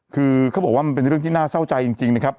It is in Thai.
คือเขาบอกว่ามันเป็นเรื่องที่น่าเศร้าใจจริงนะครับ